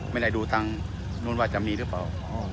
ไม่ได้ดูทางล้วนวาดจะมีหรือเปล่า